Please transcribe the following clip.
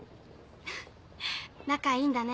フフ仲いいんだね。